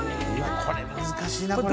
これ難しいなどれも。